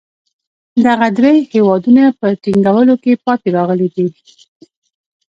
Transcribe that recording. دغه درې هېوادونه په ټینګولو کې پاتې راغلي دي.